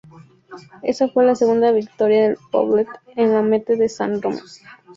Ésta fue la segunda victoria del Poblet en la meta de San Remo.